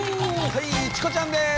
はいチコちゃんです。